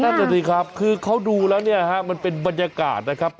นั่นแหละสิครับคือเขาดูแล้วเนี่ยฮะมันเป็นบรรยากาศนะครับ